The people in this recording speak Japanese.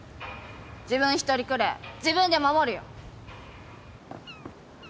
自分一人くれえ自分で守るよ！